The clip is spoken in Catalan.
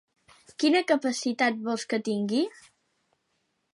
Quina capacitat vols que tingui?